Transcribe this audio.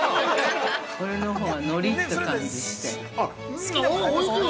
これのほうが海苔って感じして。